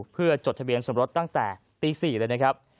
เพื่อจดทะเบียนสมรสตั้งแต่ตี๔เลยนะครับ